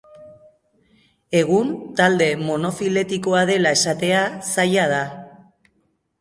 Egun talde monofiletikoa dela esatea zaila da.